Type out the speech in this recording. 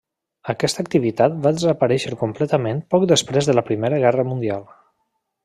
Aquesta activitat va desaparèixer completament poc després de la primera guerra mundial.